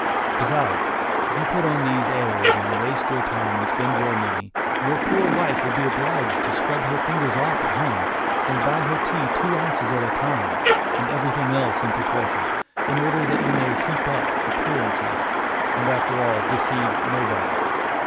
Besides, if you put on these "airs," and waste your time and spend your money, your poor wife will be obliged to scrub her fingers off at home, and buy her tea two ounces at a time, and everything else in proportion, in order that you may keep up "appearances," and after all, deceive nobody.